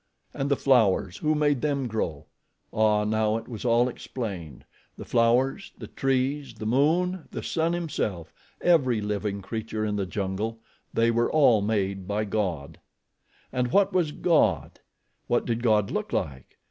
And the flowers who made them grow? Ah, now it was all explained the flowers, the trees, the moon, the sun, himself, every living creature in the jungle they were all made by God out of nothing. And what was God? What did God look like?